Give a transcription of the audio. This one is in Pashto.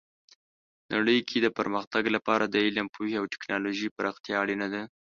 نړۍ کې د پرمختګ لپاره د علم، پوهې او ټیکنالوژۍ پراختیا اړینه ده.